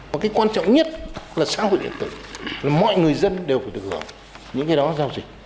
và cái quan trọng nhất là xã hội điện tử là mọi người dân đều phải được hưởng những cái đó giao dịch